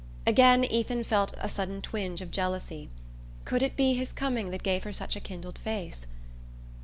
Again Ethan felt a sudden twinge of jealousy. Could it be his coming that gave her such a kindled face?